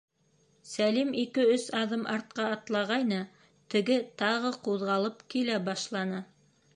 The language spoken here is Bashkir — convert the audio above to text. Сәлим ике-өс аҙым артҡа атлағайны, теге тағы ҡуҙғалып килә башланы.